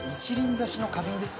挿しの花瓶ですか？